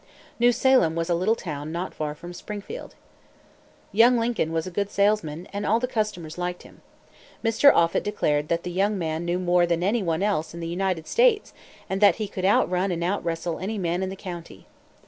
New Salem was a little town not far from Springfield. Young Lincoln was a good salesman, and all the customers liked him. Mr. Offut declared that the young man knew more than anyone else in the United States, and that he could outrun and outwrestle any man in the county.